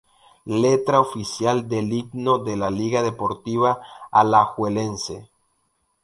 Letra oficial del himno de la Liga Deportiva Alajuelense.